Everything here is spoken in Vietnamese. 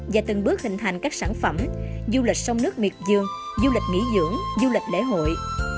và từng bước hình thành các sản phẩm du lịch sông nước miệt dương du lịch nghỉ dưỡng du lịch lễ hội